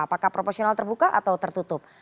apakah proporsional terbuka atau tertutup